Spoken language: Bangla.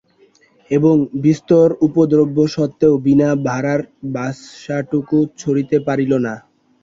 এবং বিস্তর উপদ্রব সত্ত্বেও বিনা ভাড়ার বাসাটুকু ছাড়িতে পারিল না।